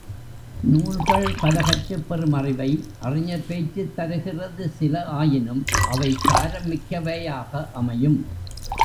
நூல்கள் பல கற்றுப் பெறும் அறிவை, அறிஞர் பேச்சுத் தருகிறது சில ஆயினும் அவை சாரம் மிக்கவையாக அமையும்.